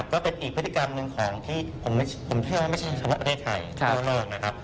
ก็เป็นอีกพฤติกรรมหนึ่งของที่ผมเชื่อว่าไม่ใช่เฉพาะประเทศไทยทั่วโลกนะครับ